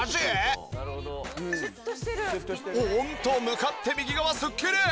向かって右側すっきり！